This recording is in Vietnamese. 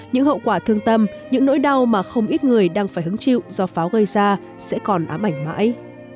những hậu quả thương tâm những nỗi đau mà không ít người đang phải hứng chịu do pháo gây ra sẽ còn ám ảnh mãi